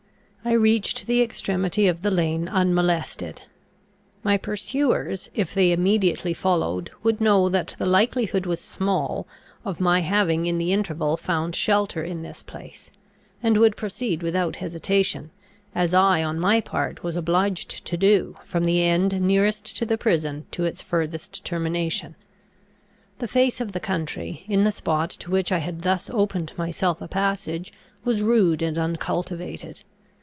I reached the extremity of the lane unmolested. My pursuers, if they immediately followed, would know that the likelihood was small, of my having in the interval found shelter in this place; and would proceed without hesitation, as I on my part was obliged to do, from the end nearest to the prison to its furthest termination. The face of the country, in the spot to which I had thus opened myself a passage, was rude and uncultivated.